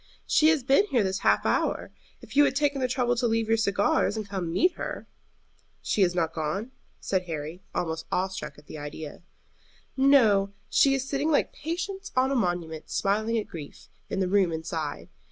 "She has been here this half hour, if you had taken the trouble to leave your cigars and come and meet her." "She has not gone?" said Harry, almost awe struck at the idea. "No; she is sitting like Patience on a monument, smiling at grief, in the room inside.